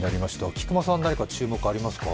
菊間さん、何か注目ありますか？